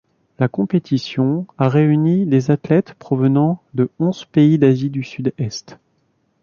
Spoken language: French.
La compétition a réuni des athlètes provenant de onze pays d'Asie du Sud-Est.